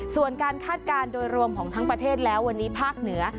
ส่วนการคาดการณ์โดยรวมของทั้งประเทศแล้ววันนี้ภาคเหนือ